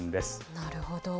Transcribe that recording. なるほど。